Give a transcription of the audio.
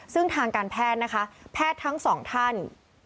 ซึ่งทางการแพทย์นะคะแพทย์ทั้งสองท่าน